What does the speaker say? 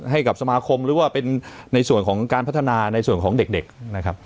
ให้กับสมาคมหรือว่าเป็นในส่วนของการพัฒนาในส่วนของเด็กนะครับ